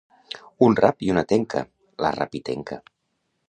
Un rap i una tenca, la rapitenca.